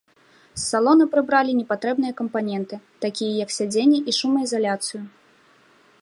З салона прыбралі непатрэбныя кампаненты, такія як сядзенні і шумаізаляцыю.